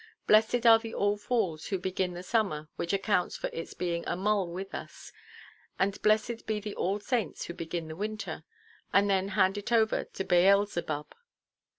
Blessed are the All Fools who begin the summer (which accounts for its being a mull with us); and blessed be the All Saints who begin the winter, and then hand it over to Beelzebub.